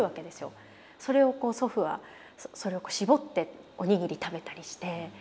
それをこう祖父はそれを絞っておにぎり食べたりして。